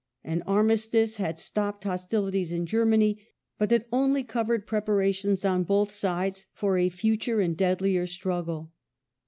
An armistice had stopped hostilities in Germany, but it only covered preparations on both sides for a future and deadlier struggle.